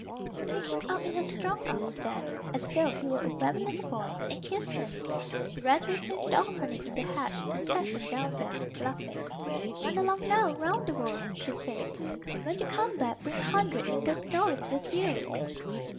She picked him up in her strong arms then, as though he were a very little boy, and kissed him. She ran with him to the opening in the hedge and set him down there, laughing. "Run along now 'round the world," she said. "And when you come back bring a hundred new World Stories with you!"